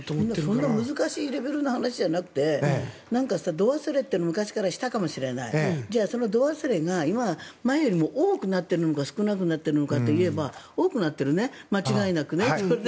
そんな難しいレベルの話じゃなくて度忘れって昔からしたかもしれないじゃあ、その度忘れが前よりも多くなっているのか少なくなっているのかと言えば多くなっているね間違いなく。